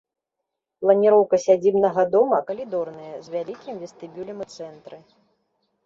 Планіроўка сядзібнага дома калідорная, з вялікім вестыбюлем у цэнтры.